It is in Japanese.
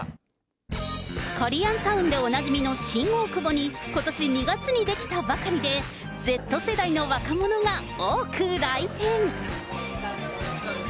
コリアンタウンでおなじみの新大久保に、ことし２月に出来たばかりで、Ｚ世代の若者が多く来店。